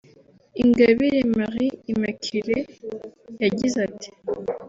Ingabire Marie Immaculée yagize ati